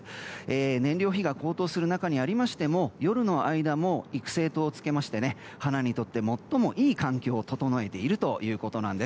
燃料費が高騰する中にありましても夜の間も育成灯をつけまして花にとって最もいい環境を整えているということです。